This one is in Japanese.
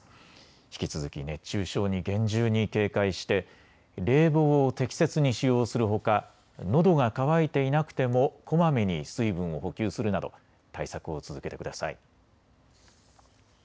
引き続き熱中症に厳重に警戒して冷房を適切に使用するほかのどが渇いていなくてもこまめに水分を補給するなど対策を続けてください。